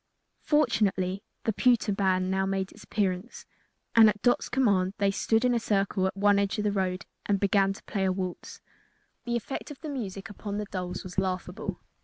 Fortunately, the pewter band now made its appearance, and at Dot's command they stood in a circle at one edge of the road and began to play a waltz. The effect of the music upon the dolls was laughable.